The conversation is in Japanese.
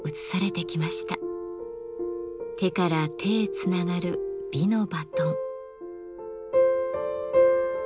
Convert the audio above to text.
手から手へつながる美のバトン。